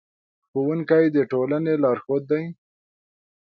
ښوونکي د ټولنې لارښود دي.